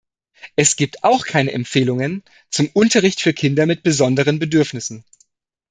Es gibt auch keine Empfehlungen zum Unterricht für Kinder mit besonderen Bedürfnissen.